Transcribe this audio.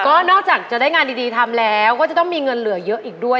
ก็นอกจากจะได้งานดีทำแล้วก็จะต้องมีเงินเหลือเยอะอีกด้วย